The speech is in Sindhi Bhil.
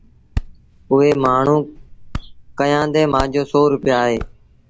اُئي مآڻهوٚٚݩ ڪهيآݩدي مآݩجو سو روپيآ اهي